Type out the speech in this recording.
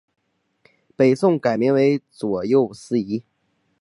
北宋改名为左右司谏。